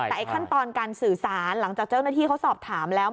แต่ขั้นตอนการสื่อสารหลังจากเจ้าหน้าที่เขาสอบถามแล้ว